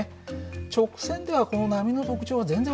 直線ではこの波の特徴は全然分からないよね。